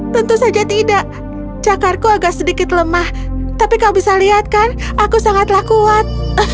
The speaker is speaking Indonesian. tentu saja tidak cakarku agak sedikit lemah tapi kau bisa lihat kan aku sangatlah kuat